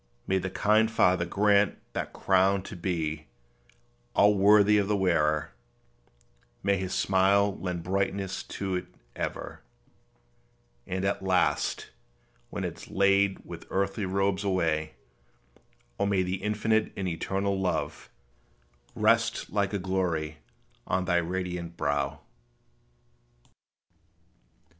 May the kind Father grant that crown to be All worthy of the wearer; may His smile Lend brightness to it ever; and at last, When it is laid with earthly robes away, O may the infinite and eternal Love Rest like a glory on thy radiant brow.